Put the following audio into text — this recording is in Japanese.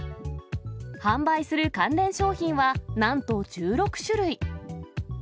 販売する関連商品はなんと１６種類。